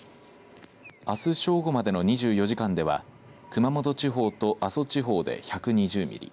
あす正午までの２４時間では熊本地方と阿蘇地方で１２０ミリ